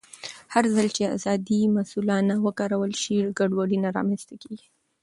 هرځل چې ازادي مسؤلانه وکارول شي، ګډوډي نه رامنځته کېږي.